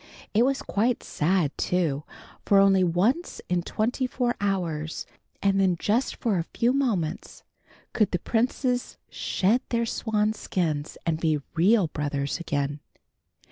It was quite sad, too, for only once in twenty four hours, and then just for a few moments, could the princes shed their swan skins and be real brothers again.